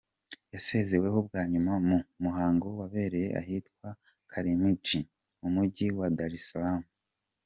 Yasezeweho bwa nyuma mu muhango wabereye ahitwa Karimjee mu Mujyi wa Dar es Salaam.